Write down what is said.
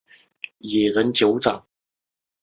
临港大道站